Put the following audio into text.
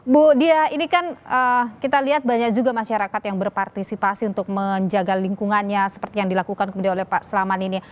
bu diah ini kan kita lihat banyak juga masyarakat yang berpartisipasi untuk menjaga lingkungannya seperti yang dilakukan oleh pak selamat ini